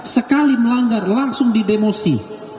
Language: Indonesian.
sekali melanggar langsung didemosi